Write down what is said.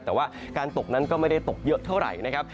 แต่ว่าการตกนั้นก็ไม่ได้ตกเยอะเท่าไหร่นะครับ